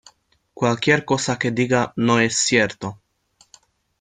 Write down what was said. ¡ Cualquier cosa que diga, no es cierto!